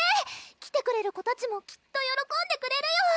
来てくれる子たちもきっとよろこんでくれるよ！